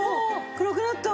暗くなった。